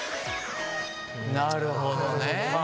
なるほどね。